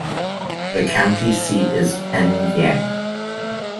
The county seat is Penn Yan.